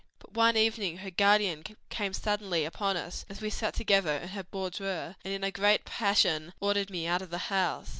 "But one evening her guardian came suddenly upon us, as we sat together in her boudoir, and in a great passion ordered me out of the house.